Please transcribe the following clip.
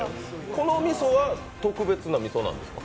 このみそは特別なみそなんですか？